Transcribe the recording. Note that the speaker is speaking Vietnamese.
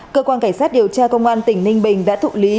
cơ quan cảnh sát điều tra công an tỉnh ninh bình đã thụ lý